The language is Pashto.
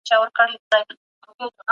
په ناحقه حق مه اخلئ.